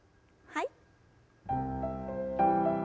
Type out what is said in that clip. はい。